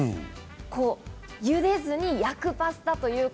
茹でずに焼くパスタというこ